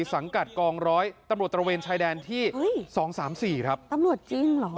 สังกัดกองร้อยตำรวจตระเวนชายแดนที่สองสามสี่ครับตำรวจจริงเหรอ